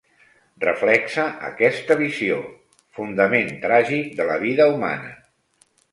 Reflexa aquesta visió, fondament tràgic de la vida humana